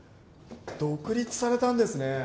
独立されたんですね。